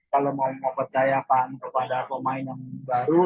kalau mau mempercayakan kepada pemain yang baru